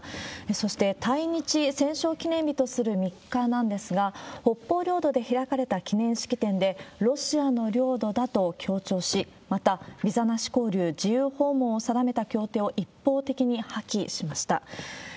そして、対日戦勝記念日とする３日なんですが、北方領土で開かれた記念式典で、ロシアの領土だと強調し、またビザなし交流、自由訪問を定めた協定を一方的に破棄しました。